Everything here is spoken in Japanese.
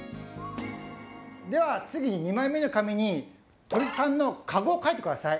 では次に２枚目の紙に鳥さんのかごをかいてください。